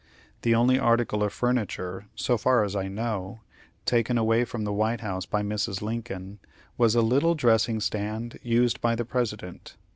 The only article of furniture, so far as I know, taken away from the White House by Mrs. Lincoln, was a little dressing stand used by the President.